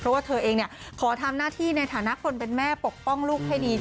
เพราะว่าเธอเองขอทำหน้าที่ในฐานะคนเป็นแม่ปกป้องลูกให้ดี